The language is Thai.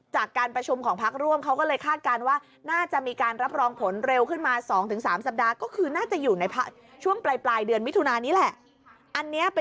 จากการพูดคุยของเราขนาดนี้